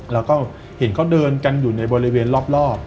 แล้วก็เห็นเขาเดินกันอยู่ในบริเวณรอบ